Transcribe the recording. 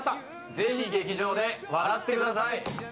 ぜひ劇場で笑ってください。